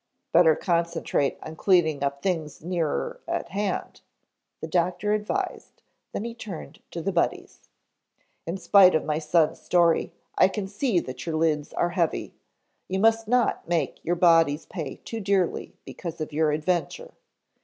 "Better concentrate on cleaning up things nearer at hand," the doctor advised, then he turned to the Buddies. "In spite of my son's story I can see that your lids are heavy. You must not make your bodies pay too dearly because of your adventure.